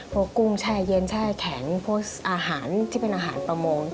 กุ้งแช่เย็นแช่แข็งพวกอาหารที่เป็นอาหารประมง